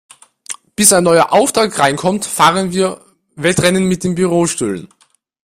Bis ein neuer Auftrag reinkommt, fahren wir Wettrennen mit den Bürostühlen.